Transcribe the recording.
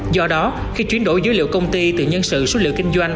do đó khi chuyển đổi dữ liệu công ty từ nhân sự số liệu kinh doanh